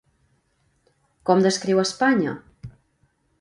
Com descriu a Espanya?